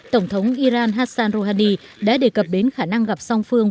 tổng thống iran hassan rouhani đã đề cập đến khả năng gặp song phương